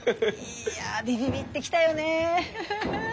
いやビビビッて来たよねえ。